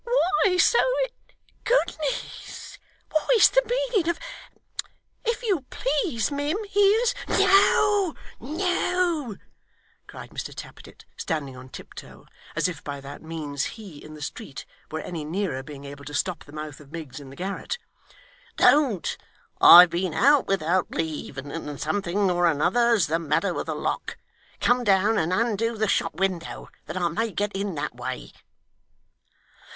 'Why so it Goodness, what is the meaning of If you please, mim, here's ' 'No, no!' cried Mr Tappertit, standing on tiptoe, as if by that means he, in the street, were any nearer being able to stop the mouth of Miggs in the garret. 'Don't! I've been out without leave, and something or another's the matter with the lock. Come down, and undo the shop window, that I may get in that way.